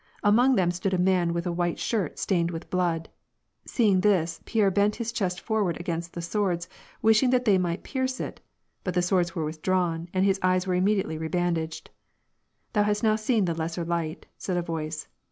Among them stood a man with a white shirt stained with blood. Seeing this, Pierre bent his chest forward against the swords, wishing that they might pierce it. But the swords were withdrawn, and his eyes were immedi afcely rebandaged. "Thou hast now seen the lesser light," said a voice.